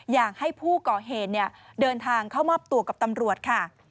อยากให้ผู้ก่อเหตุเดินทางเข้ามอบตัวกับตำรวจค่ะ